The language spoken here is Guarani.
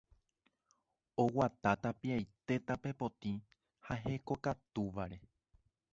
oguata tapiaite tape potĩ ha hekokatúvare